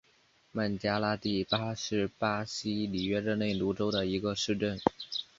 曼加拉蒂巴是巴西里约热内卢州的一个市镇。